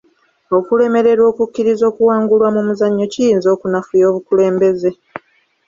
Okulemererwa okukkiriza okuwangulwa mu muzannyo kiyinza okunafuya obukulembeze.